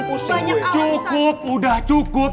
cukup udah cukup